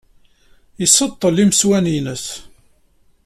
Iṣeṭṭel imeswan-ines.